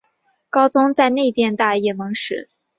高宗在内殿大宴蒙使。